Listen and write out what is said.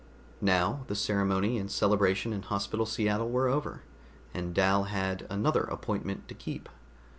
Now the ceremony and celebration in Hospital Seattle were over, and Dal had another appointment to keep.